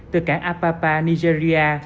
từ cảng apapa nigeria